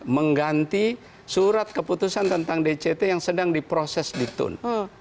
mengganti surat keputusan tentang dct yang sedang diproses di tun